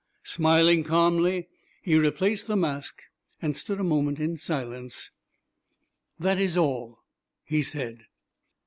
Smiling calmly, he replaced the mask, and stood a moment in silence. "That is all," he said.